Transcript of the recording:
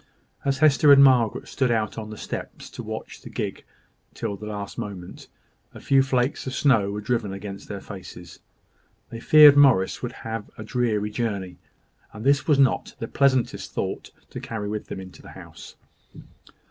As Hester and Margaret stood out on the steps to watch the gig till the last moment, a few flakes of snow were driven against their faces. They feared Morris would have a dreary journey; and this was not the pleasantest thought to carry with them into the house.